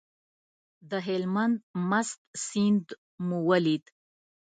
د هلمند مست سیند مو ولید.